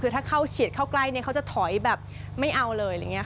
คือถ้าเขาเฉียดเข้าใกล้เขาจะถอยแบบไม่เอาเลย